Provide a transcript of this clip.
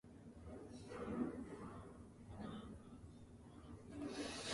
He remains a qualified cattle inseminator.